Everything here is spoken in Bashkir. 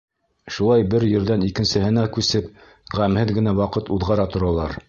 Шулай бер ерҙән икенсеһенә күсеп, ғәмһеҙ генә ваҡыт уҙғара торалар.